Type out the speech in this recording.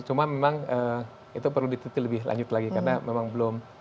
cuma memang itu perlu diteti lebih lanjut lagi karena memang belum